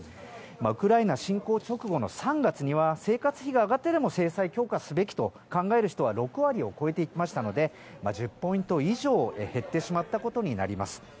ウクライナ侵攻直後の３月には生活費が上がってでも制裁強化すべきと考える人が６割を超えていましたので１０ポイント以上減ってしまったことになります。